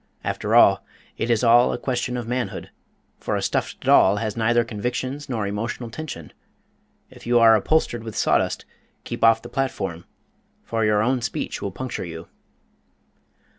After all, it is all a question of manhood, for a stuffed doll has neither convictions nor emotional tension. If you are upholstered with sawdust, keep off the platform, for your own speech will puncture you.